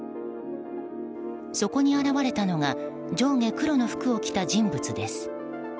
そこに現れたのが上下黒の服を着た人物です。